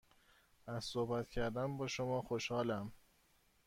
از صحبت کردن با شما خوشحالم.